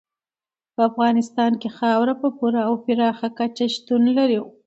په افغانستان کې خاوره په پوره او پراخه کچه شتون لري.